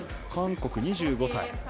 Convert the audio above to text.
韓国、２５歳。